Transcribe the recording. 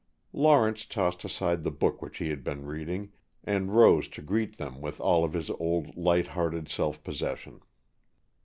Lawrence tossed aside the book which he had been reading, and rose to greet them with all of his old light hearted self possession.